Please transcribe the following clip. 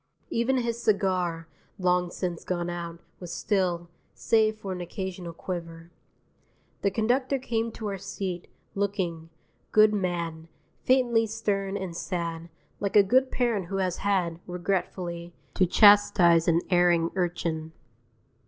Even his cigar (long since gone out) was still, save for an occasional quiver. The conductor came to our seat, looking, good man, faintly stern and sad, like a good parent who has had, regretfully, to chastise an erring urchin.